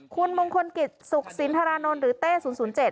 คุณมงคลกิจสุขสินทรานนท์หรือเต้๐๐๗